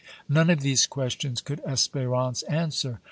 None of these questions could Espérance answer.